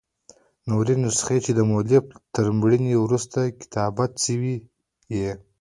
نوري نسخې، چي دمؤلف تر مړیني وروسته کتابت سوي يي.